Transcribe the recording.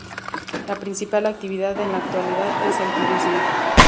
La principal actividad en la actualidad es el turismo.